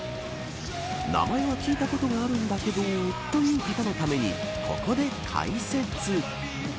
名前は聞いたことがあるんだけどという方のためにここで解説。